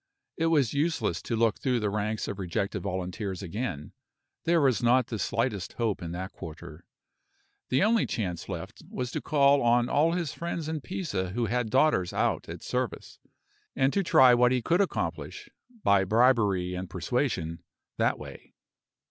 It was useless to look through the ranks of rejected volunteers again; there was not the slightest hope in that quarter. The only chance left was to call on all his friends in Pisa who had daughters out at service, and to try what he could accomplish, by bribery and persuasion, that way.